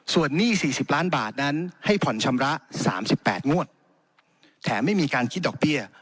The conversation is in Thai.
ส่วนหนี้สี่สิบล้านบาทนั้นให้ผ่อนชำระสามสิบแปดงวดแถมไม่มีการคิดดอกเบี้ย